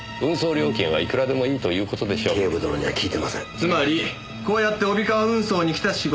つまりこうやって帯川運送にきた仕事を奪った。